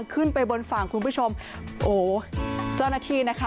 ขึ้นไปบนฝั่งคุณผู้ชมโอ้เจ้าหน้าที่นะคะ